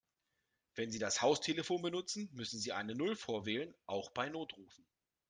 Wenn Sie das Haustelefon benutzen, müssen Sie eine Null vorwählen, auch bei Notrufen.